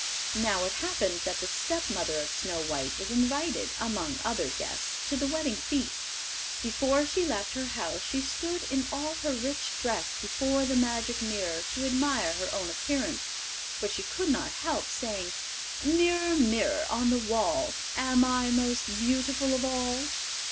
Now it happened that the stepmother of Snow white was invited, among other guests, to the wedding feast. Before she left her house she stood in all her rich dress before the magic mirror to admire her own appearance, but she could not help saying; "Mirror, mirror on the wall, Am I most beautiful of all?"